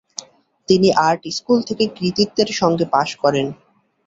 তিনি art school থেকে কৃতিত্বের সঙ্গে পাস করেন।